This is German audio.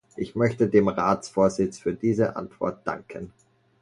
Ich möchte dem Ratsvorsitz für diese Antwort danken.